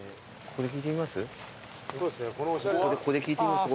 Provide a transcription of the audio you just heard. ここで聞いてみます？